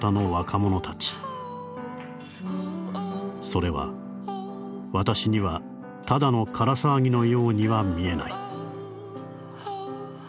それは私にはただの空騒ぎのようには見えない」。